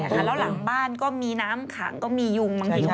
แล้วหลังบ้านก็มีน้ำขังก็มียุงมันไม่ได้พ้นกัน